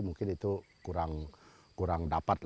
mungkin itu kurang dapat